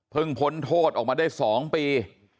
เพิ่งพ้นโทษออกมาได้สองปี